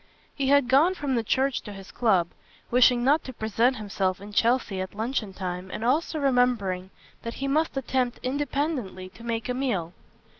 He had gone from the church to his club, wishing not to present himself in Chelsea at luncheon time and also remembering that he must attempt independently to make a meal.